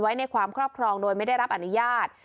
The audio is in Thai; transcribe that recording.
ไว้ในความครอบครองโดยไม่ได้รับอนุญาต